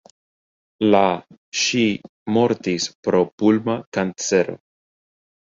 La ŝi mortis pro pulma kancero.